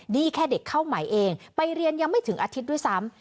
นี่แค่เด็กเข้าไหมเองไปเรียนยังไม่ถึงอาทิตย์ด้วยซ้ำ